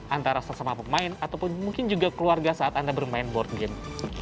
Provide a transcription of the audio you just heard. antara sesama pemain ataupun mungkin juga keluarga saat anda bermain board game